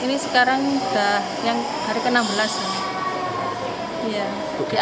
ini sekarang sudah hari ke enam belas